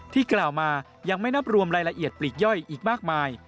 กล่าวมายังไม่นับรวมรายละเอียดปลีกย่อยอีกมากมาย